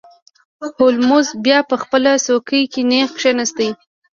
هولمز بیا په خپله څوکۍ کې نیغ کښیناست.